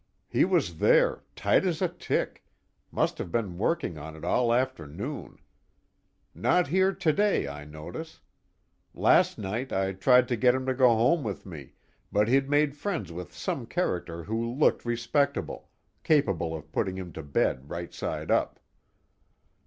He was there, tight as a tick, must have been working on it all afternoon. Not here today, I notice. Last night I tried to get him to go home with me, but he'd made friends with some character who looked respectable, capable of putting him to bed right side up."